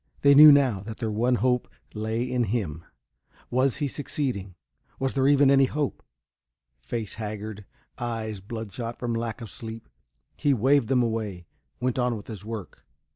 They knew now that their one hope lay in him. Was he succeeding? Was there even any hope? Face haggard, eyes bloodshot from lack of sleep, he waved them away, went on with his work.